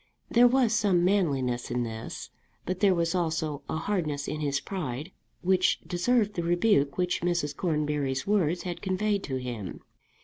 There was some manliness in this; but there was also a hardness in his pride which deserved the rebuke which Mrs. Cornbury's words had conveyed to him.